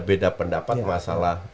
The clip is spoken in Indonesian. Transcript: beda pendapat masalah